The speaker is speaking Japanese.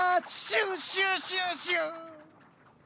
シュシュシュシューッ！